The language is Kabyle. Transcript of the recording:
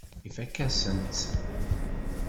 Ifakk-asent-t.